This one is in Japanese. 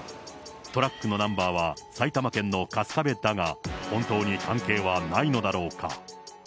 トラックのナンバーは埼玉県の春日部だが、本当に関係はないのだろうか。